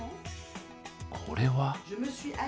これは？